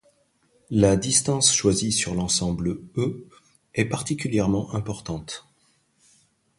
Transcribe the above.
La distance choisie sur l'ensemble E est particulièrement importante.